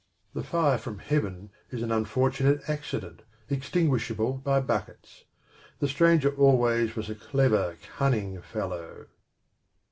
The fire from Heaven is an unfortunate accident, extinguishable by buckets ; the stranger always was a clever, cunning fellow.